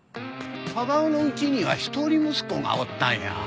忠男の家には一人息子がおったんや。